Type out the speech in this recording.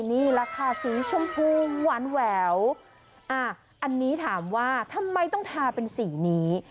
นี่แหละค่ะสีชมพูหวานแหววอันนี้ถามว่าทำไมต้องทาเป็นสีนี้